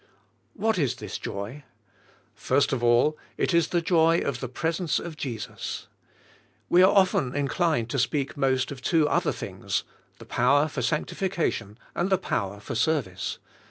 What is this joy? First of all, it is the joy of the presence of Jesus. We are often inclined to speak most of two other things, the power for sanctification, and the power for service.